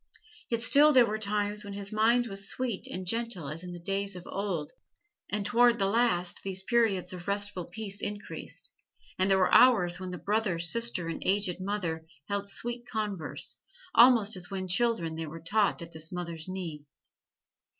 Yet still there were times when his mind was sweet and gentle as in the days of old; and toward the last these periods of restful peace increased, and there were hours when the brother, sister and aged mother held sweet converse, almost as when children they were taught at this mother's knee.